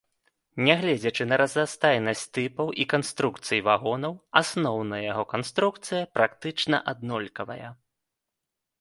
Нягледзячы на разнастайнасць тыпаў і канструкцый вагонаў, асноўная яго канструкцыя практычна аднолькавая.